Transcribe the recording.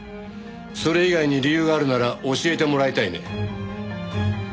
それ以外に理由があるなら教えてもらいたいね。